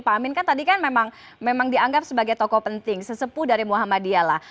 pak amin kan tadi kan memang dianggap sebagai tokoh penting sesepuh dari muhammadiyah lah